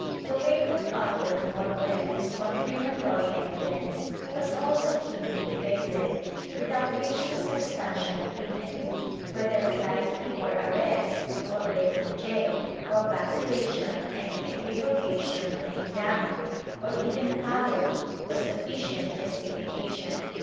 The weight of other more or less confirmatory evidence was also keenly debated, with out reaching substantial agreement — whether flight before arrest, or breaking gaol, or vacillation and equivocation when exam ined, or even pallor, was sufficient justification.